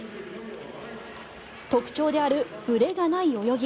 特徴である、ぶれがない泳ぎ。